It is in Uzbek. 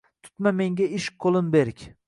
Tutma menga ishq yo’lin berk